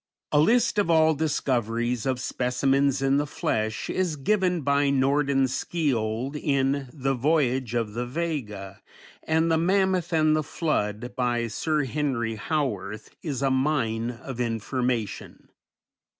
A list of all discoveries of specimens in the flesh is given by Nordenskiold in "The Voyage of the Vega" and "The Mammoth and the Flood" by Sir Henry Howorth, is a mine of information.